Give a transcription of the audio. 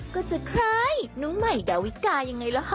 ก็จะคล้ายนุ่นใหม่ดาวิกาอย่างไรหรือหรอ